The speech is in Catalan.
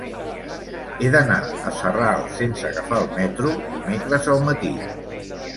He d'anar a Sarral sense agafar el metro dimecres al matí.